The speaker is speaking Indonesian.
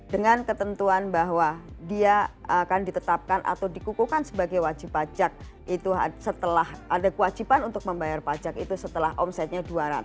dengan ketentuan bahwa dia akan ditetapkan atau dikukuhkan sebagai wajib pajak itu setelah ada kewajiban untuk membayar pajak itu setelah omsetnya dua ratus